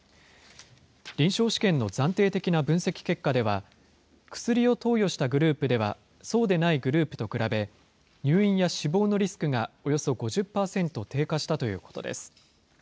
臨床試験の暫定的な分析結果では、薬を投与したグループでは、そうでないグループと比べ、入院や死亡のリスクがおよそ５０％低下したということです。